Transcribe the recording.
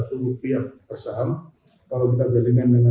kemudian so far sampai kita di pasal satu